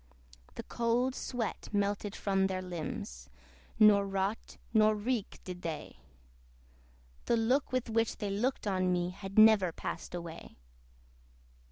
The cold sweat melted from their limbs, Nor rot nor reek did they: The look with which they looked on me Had never passed away.